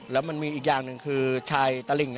แล้วมันมีอีกอย่างหนึ่งคือชายตลิ่ง